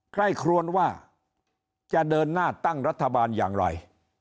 ครวนว่าจะเดินหน้าตั้งรัฐบาลอย่างไร